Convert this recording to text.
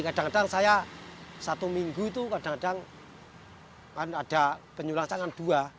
kadang kadang saya satu minggu itu kadang kadang kan ada penyulangan dua